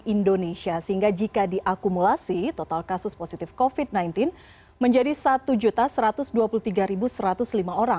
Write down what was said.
indonesia sehingga jika diakumulasi total kasus positif kofit sembilan belas menjadi satu satu ratus dua puluh tiga satu ratus lima orang